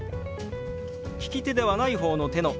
利き手ではない方の手の親指